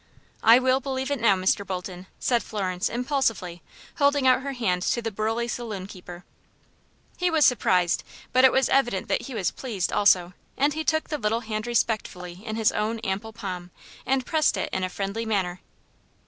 "I will believe it now, Mr. Bolton," said Florence, impulsively, holding out her hand to the burly saloon keeper. He was surprised, but it was evident that he was pleased, also, and he took the little hand respectfully in his own ample palm, and pressed it in a friendly manner.